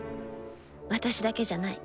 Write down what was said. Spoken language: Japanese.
私だけじゃない。